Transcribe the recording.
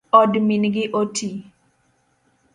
Od min gi otii